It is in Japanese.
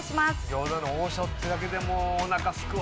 餃子の王将ってだけでもうおなかすくわ。